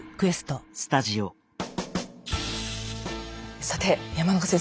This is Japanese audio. さて山中先生。